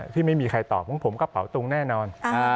ที่ไม่มีใครตอบของผมกระเป๋าตุงแน่นอน